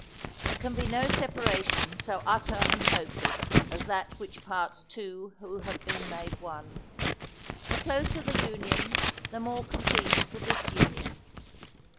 There can be no separation so utter and hopeless as that which parts two who have been made one. The closer the union, the more complete is the disunion.